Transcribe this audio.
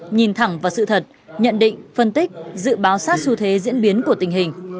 nhìn thẳng vào sự thật nhận định phân tích dự báo sát xu thế diễn biến của tình hình